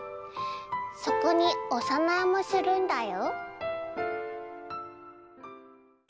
そこにお供えもするんだよ。